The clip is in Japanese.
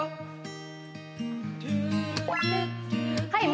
はい